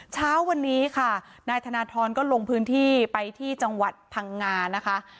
เช้าวันนี้ค่ะนายธนทรก็ลงพื้นที่ไปที่จังหวัดพังงานะคะ